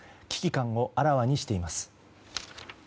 危機感をあらわにしています。